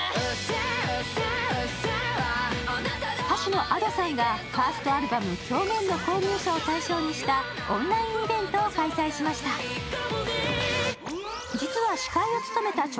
歌手のＡｄｏさんがファーストアルバム「狂言」の購入者を対象にしたオンラインイベントを開催しました。